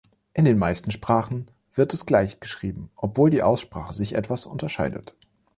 In den meisten Sprachen wird es gleich geschrieben, obwohl die Aussprache sich etwas unterscheidet.